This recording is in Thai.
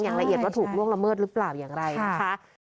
อย่างละเอียดว่าถูกล่วงละเมิดหรือเปล่าอย่างไรนะคะ